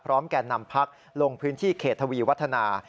แก่นำพักลงพื้นที่เขตทวีวัฒนา